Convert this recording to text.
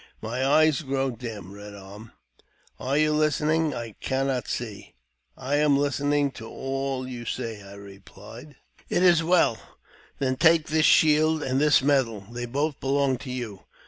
My eyes grow dim. Eed Arm, are you listening? I cannot see." " I am listening to all you say," I replied. "It is well. Then take this shield and this medal ; they JAMES P. BECKWOUBTH. 221 both belong to yon.